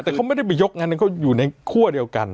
แต่เขาไม่ได้ไปยกงานนั้นเขาอยู่ในคั่วเดียวกัน